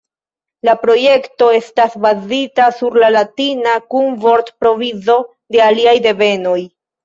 La projekto estas bazita sur la latina kun vortprovizo de aliaj devenoj.